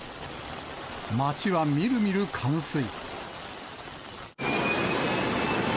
街はみるみる冠水。